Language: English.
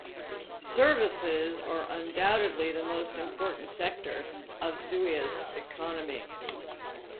Services are undoubtedly the most important sector of Zuia's economy.